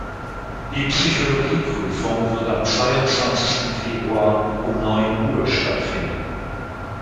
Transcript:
Die Psychologie-Prüfung wird am zweiundzwanzigsten Februar um neun Uhr stattfinden.